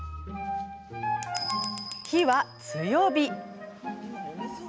火は強火。